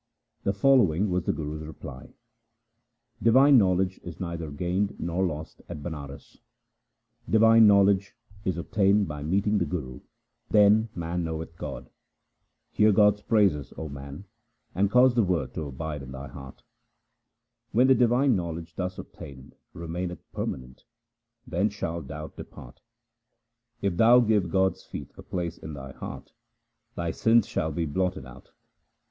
The following was the Guru's reply :— Divine knowledge is neither gained nor lost at Banaras. Divine knowledge is obtained by meeting the Guru, then man knoweth God. Hear God's praises, O man, and cause the Word to abide in thy heart. When the divine knowledge thus obtained remaineth permanent, then shall doubt depart. If thou give God's feet a place in thy heart, thy sins shall be blotted out.